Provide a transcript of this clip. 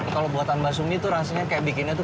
kalau buatan mbak sumi tuh rasanya kayak bikinnya tuh